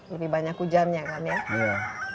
lebih banyak hujan ya kan ya